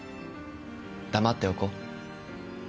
黙っておこう。